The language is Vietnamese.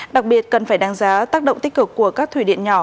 đặc biệt cần phải đánh giá tác động tích cực của các thủy điện nhỏ